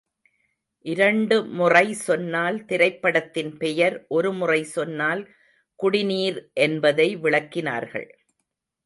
இரண்டு முறை சொன்னால் திரைப்படத்தின் பெயர் ஒரு முறை சொன்னால் குடிநீர் என்பதை விளக்கினார்கள்.